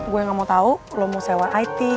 gue gak mau tahu lo mau sewa it